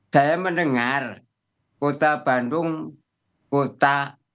saya mendengar kota bandung kota